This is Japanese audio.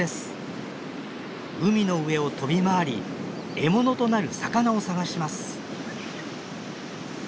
海の上を飛び回り獲物となる魚を探します。